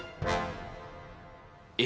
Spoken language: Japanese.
え！